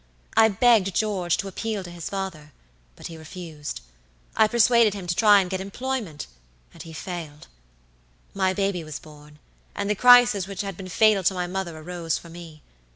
I begged George to appeal to his father, but he refused. I persuaded him to try and get employment, and he failed. My baby was born, and the crisis which had been fatal to my mother arose for me.